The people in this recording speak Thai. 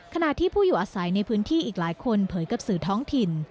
ขณะที่ผู้อยู่อาศัยในพื้นที่อีกหลายคนเผยกับสื่อท้องถิ่น